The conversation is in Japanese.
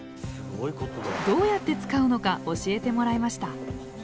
どうやって使うのか教えてもらいました。